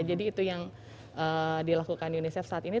jadi itu yang dilakukan unicef saat ini